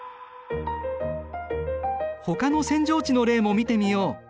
ほかの扇状地の例も見てみよう。